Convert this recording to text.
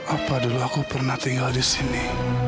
apa dulu aku pernah tinggal di sini